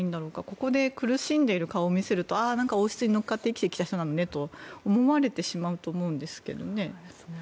ここで苦しんでいる顔を見せるとああ、王室に乗っかって生きてきた人なのねと思われてしまうと思うんですけどね。